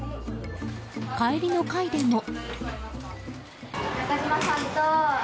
帰りの会でも。